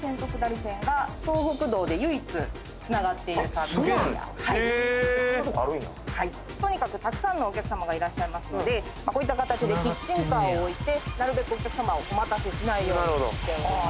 えーそんなとこあるんやとにかくたくさんのお客様がいらっしゃいますのでこういった形でキッチンカーを置いてなるべくお客様をお待たせしないようにしております